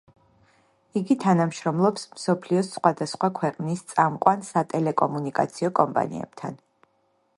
იგი თანამშრომლობს მსოფლიოს სხვადასხვა ქვეყნის წამყვან სატელეკომუნიკაციო კომპანიებთან.